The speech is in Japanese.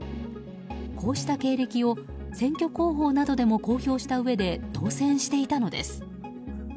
こうした経歴を選挙公報などでも公表したうえで当選していたのです。